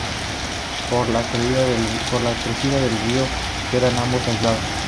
Por la crecida del río quedan ambos aislados.